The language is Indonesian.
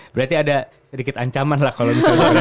berarti ada sedikit ancaman lah kalau misalnya